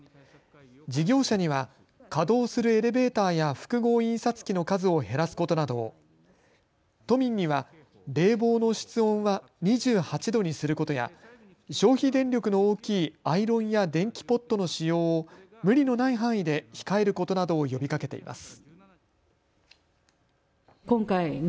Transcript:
事業者には稼働するエレベーターや複合印刷機の数を減らすことなどを、都民には冷房の室温は２８度にすることや消費電力の大きいアイロンや電気ポットの使用を無理のない範囲で控えることなどを呼びかけています。